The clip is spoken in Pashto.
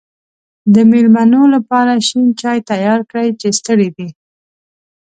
د مېلمنو لپاره شین چای تیار کړی چې ستړی دی.